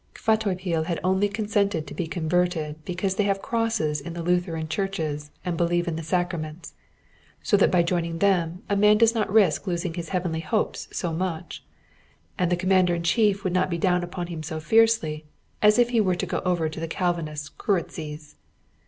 Kvatopil had only consented to be converted because they have crosses in the Lutheran churches and believe in the sacraments, so that by joining them a man does not risk losing his heavenly hopes so much, and the Commander in chief would not be down upon him so fiercely as if he were to go over to the Calvinist Kuruczes.